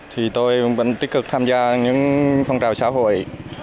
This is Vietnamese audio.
thì tôi vẫn tích cực tham gia những phong trào xã hội